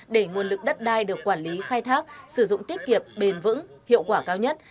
để nguồn lực đất đai được quản lý khai thác sử dụng tiết kiệp bền vững hiệu quả cao nhất